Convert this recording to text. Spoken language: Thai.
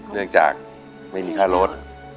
เนื่องจากไม่มีค่ารถ